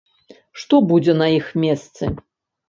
Што будзе на іх месцы?